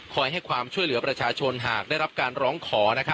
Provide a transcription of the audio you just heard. ให้ความช่วยเหลือประชาชนหากได้รับการร้องขอ